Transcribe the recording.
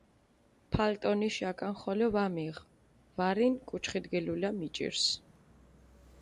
ფალტონიშ აკანი ხოლო ვამიღჷ, ვარინ კუჩხით გილულა მიჭირს.